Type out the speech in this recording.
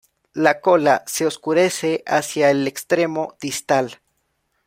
La cola se oscurece hacia el extremo distal.